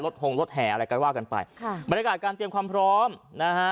หงรถแห่อะไรก็ว่ากันไปค่ะบรรยากาศการเตรียมความพร้อมนะฮะ